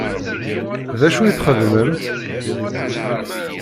D acu i txeddmemt?